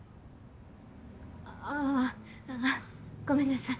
あああっごめんなさい。